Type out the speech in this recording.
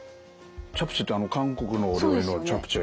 チャプチェってあの韓国のお料理のチャプチェ。